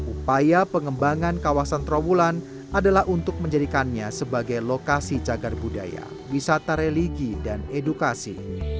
upaya pengembangan kawasan trawulan adalah untuk menjadikannya sebagai lokasi cagar budaya wisata religi dan edukasi